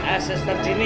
asal star gini